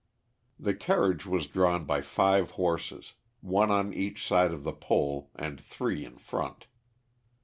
The carriage was drawn by five horses, one on each side of the pole and three in front.